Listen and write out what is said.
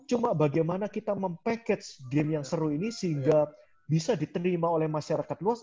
cuma bagaimana kita mem package game yang seru ini sehingga bisa diterima oleh masyarakat luas